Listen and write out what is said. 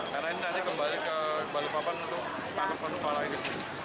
karena ini nanti kembali ke balai papan untuk penumpang lagi